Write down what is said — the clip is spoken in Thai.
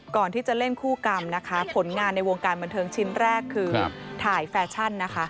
ก่อนที่จะเล่นคู่กรรมนะคะผลงานในวงการบันเทิงชิ้นแรกคือถ่ายแฟชั่นนะคะ